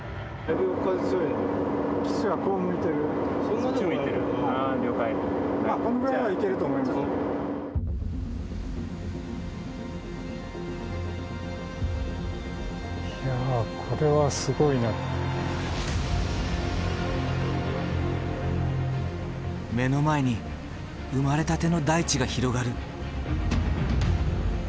目の前に生まれたての大地が広がる。